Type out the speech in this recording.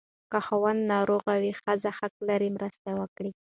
که خاوند ناروغ وي، ښځه حق لري مرسته وکړي.